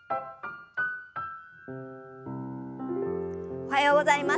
おはようございます。